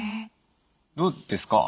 どうですか？